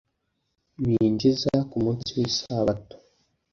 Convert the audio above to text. binjiza ku munsi w isabato